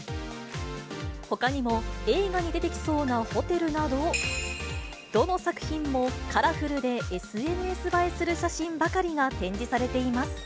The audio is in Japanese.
ほかにも映画に出てきそうなホテルなど、どの作品もカラフルでＳＮＳ映えする写真ばかりが展示されています。